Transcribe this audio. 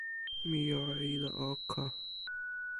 mi jo e ilo oko.